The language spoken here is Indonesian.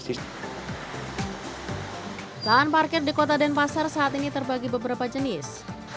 lahan parkir di kota denpasar saat ini terbagi beberapa jenis